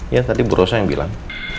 ya tadi bu rosa yang bilang